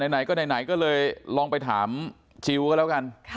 ไหนก็ไหนก็เลยลองไปถามจิลก็แล้วกัน